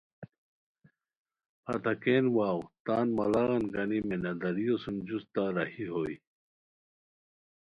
پھتاکین واؤ تان مڑاغان گانی میناداریو سُم جوستہ راہی ہوئے